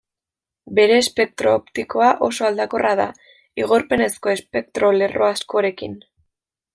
Bere espektro optikoa oso aldakorra da, igorpenezko espektro lerro askorekin.